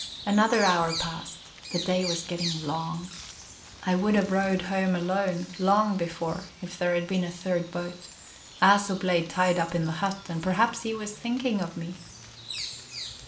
Another hour passed. The day was getting long; I would have rowed home alone long before if there had been a third boat; Æsop lay tied up in the hut, and perhaps he was thinking of me.